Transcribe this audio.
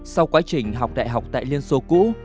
sau quá trình học đại học tại liên xô cũ